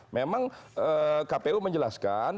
memang kpu menjelaskan